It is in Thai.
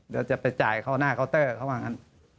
เดี๋ยวจะไปจ่ายเข้าหน้าเคาน์เตอร์เขาว่างั้น